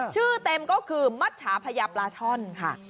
ชื่อเต็มก็คือมัชชาพญาปราชลค่ะ